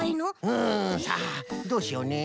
うんさあどうしようね？